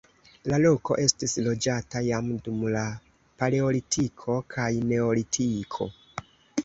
La loko estis loĝata jam dum la paleolitiko kaj neolitiko.